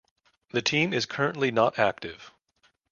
The team is currently not active.